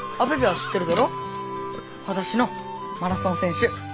はだしのマラソン選手。